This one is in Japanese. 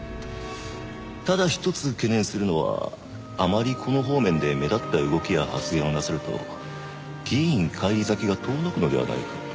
ただ一つ懸念するのはあまりこの方面で目立った動きや発言をなさると議員返り咲きが遠のくのではないかと。